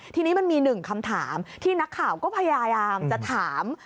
ทีนี้มันมีหนึ่งคำถามที่นักข่าวก็พยายามจะถาม